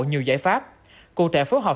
nhiều giải pháp cụ thể phối hợp